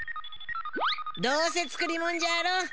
どうせ作りもんじゃろ？